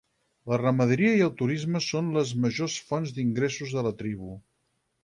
La ramaderia i el turisme són les majors fonts d'ingressos de la tribu.